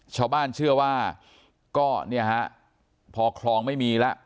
ชาวบ้านเชื่อว่าก็เนี่ยฮะพอคลองไม่มีแล้ว